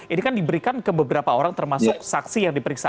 ini kan diberikan ke beberapa orang termasuk saksi yang diperiksa